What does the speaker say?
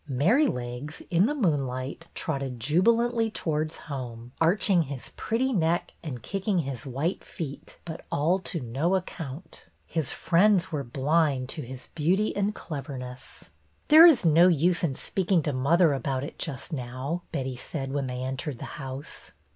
Merry legs, in the moonlight, trotted jubilantly towards home, arching his pretty neck, and kicking his white feet, but all to no account. His friends were blind to his beauty and cleverness. 14 210 BETTY BAIRD'S VENTURES '' There is no use in speaking to mother about it just now," Betty said when they entered the house.